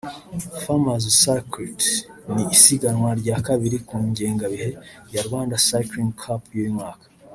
Farmers’ Circuit ni isiganwa rya kabiri ku ngengabihe ya Rwanda Cycling Cup y’uyu mwaka